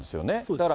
だから、